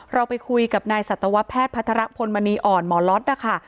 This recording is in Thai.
เราไปคุยกับนายสัตวแพทย์พัทรพลมณีอ่อนหมอล็อตนะคะ